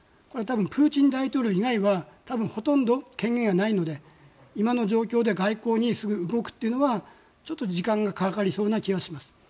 これはプーチン大統領以外には多分ほとんど権限がないので今の状況で外交に動くというのはちょっと時間がかかりそうな気がします。